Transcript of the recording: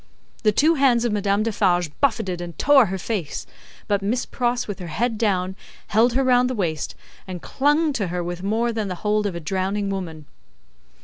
The two hands of Madame Defarge buffeted and tore her face; but, Miss Pross, with her head down, held her round the waist, and clung to her with more than the hold of a drowning woman.